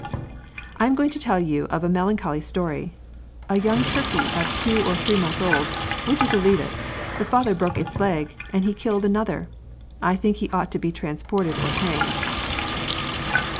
"I am going to tell you of a melancholy story. A young turkie of two or three months old, would you believe it, the father broke its leg, and he killed another! I think he ought to be transported or hanged."